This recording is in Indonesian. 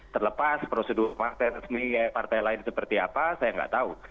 terlepas prosedur partai resmi partai lain seperti apa saya nggak tahu